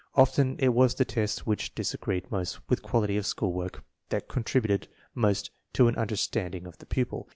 Often it was the test which disagreed most with quality of school work that contributed most to an understanding of the pupil.